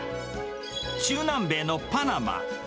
中南米のパナマ。